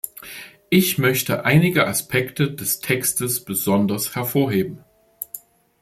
Ich möchte einige Aspekte des Textes besonders hervorheben.